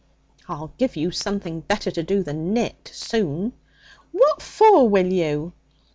'I'll give you something better to do than knit soon.' 'What for will you?'